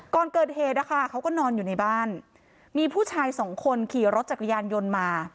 ก่อนเกิดเหตุนะคะเขาก็นอนอยู่ในบ้านมีผู้ชายสองคนขี่รถจักรยานยนต์มา